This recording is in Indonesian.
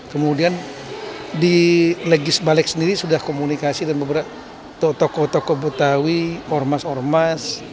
kemudian di legis balek sendiri sudah komunikasi dan beberapa tokoh tokoh betawi ormas ormas